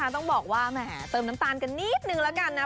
ต้องบอกว่าแหมเติมน้ำตาลกันนิดนึงแล้วกันนะ